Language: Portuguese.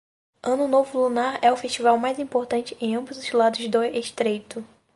Ano Novo Lunar é o festival mais importante em ambos os lados do estreito